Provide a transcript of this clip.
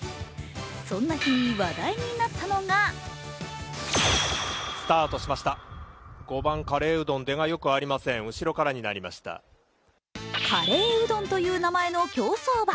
そんな日に話題になったのがカレーウドンという名前の競走馬。